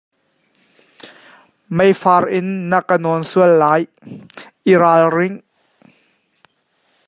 Meifar in na ka nawn sual lai, i ralring.